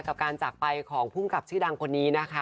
กับการจะไปของผู้มกรับชื่อดังคนนี้